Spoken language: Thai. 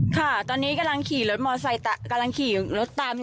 ค่ะตอนนี้กำลังขี่รถมอไซค์กำลังขี่รถตามอยู่